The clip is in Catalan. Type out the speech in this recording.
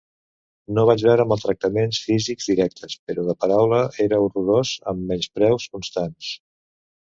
No vaig veure maltractaments físics directes, però de paraula era horrorós, amb menyspreus constants.